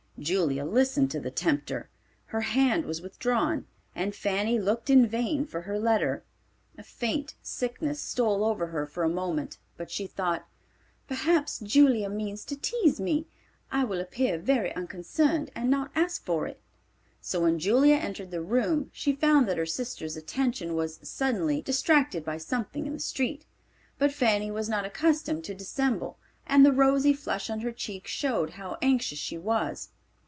Julia listened to the tempter, her hand was withdrawn, and Fanny looked in vain for her letter. A faint sickness stole over her for a moment but she thought, "Perhaps Julia means to tease me. I will appear very unconcerned and not ask for it." So when Julia entered the room, she found that her sister's attention was suddenly, distracted by something in the street; but Fanny was not accustomed to dissemble and the rosy flush on her cheek showed how anxious she was.